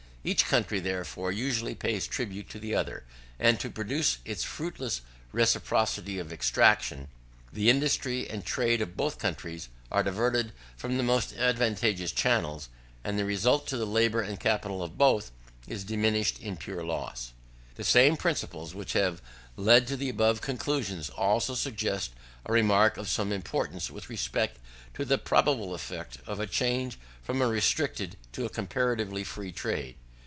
Each country, therefore, usually pays tribute to the other; and to produce this fruitless reciprocity of exaction, the industry and trade of both countries are diverted from the most advantageous channels, and the return to the labour and capital of both is diminished, in pure loss. 9. The same principles which have led to the above conclusions, also suggest a remark of some importance with respect to the probable effect of a change from a restricted to a comparatively free trade.